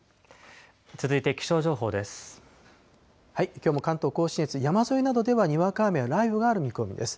きょうも関東甲信越、山沿いなどではにわか雨や雷雨がある見込みです。